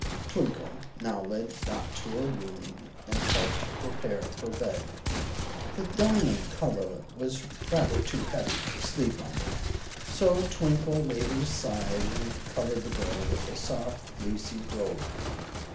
Twinkle now led Dot to her room and helped her prepare for bed. The diamond coverlet was rather heavy to sleep under, so Twinkle laid it aside and covered the girl with a soft, fleecy robe.